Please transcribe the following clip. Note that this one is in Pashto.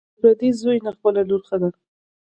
ـ د پردي زوى نه، خپله لور ښه ده.